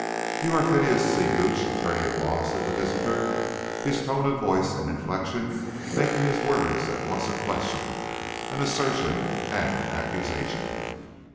"You are Phineas C. Gooch, attorney at law?" said the visitor, his tone of voice and inflection making his words at once a question, an assertion and an accusation.